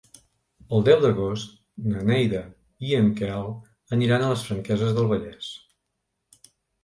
El deu d'agost na Neida i en Quel aniran a les Franqueses del Vallès.